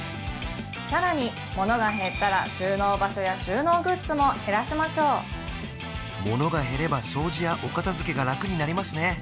さらにものが減ったら収納場所や収納グッズも減らしましょうものが減れば掃除やお片付けが楽になりますね